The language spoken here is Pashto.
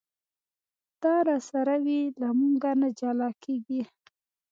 دا راسره وي له مونږه نه جلا کېږي.